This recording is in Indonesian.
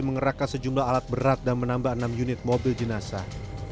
mengerahkan sejumlah alat berat dan menambah enam unit mobil jenazah